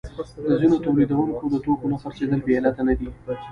د ځینو تولیدونکو د توکو نه خرڅېدل بې علته نه دي